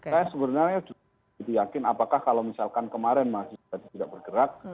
saya sebenarnya yakin apakah kalau misalkan kemarin mahasiswa tidak bergerak